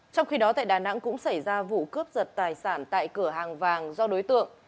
trong khi đó tại đà nẵng cũng xảy ra vụ cướp giật tài sản tại cửa hàng vàng do đối tượng